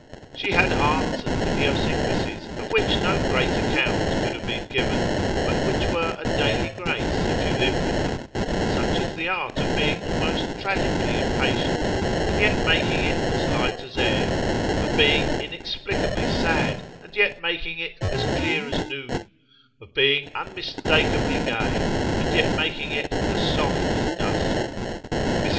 She had arts and idiosyncrasies of which no great account could have been given, but which were a daily grace if you lived with them; such as the art of being almost tragically impatient and yet making it as light as air; of being inexplicably sad and yet making it as clear as noon; of being unmistakeably gay and yet making it as soft as dusk. Mrs.